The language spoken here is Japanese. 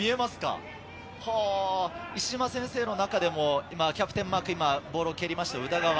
石島先生の中でもキャプテンマーク、ボールを蹴りました、宇田川。